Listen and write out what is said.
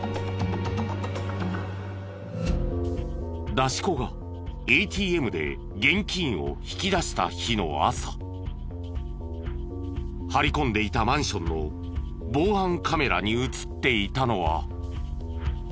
出し子がＡＴＭで現金を引き出した日の朝張り込んでいたマンションの防犯カメラに映っていたのは。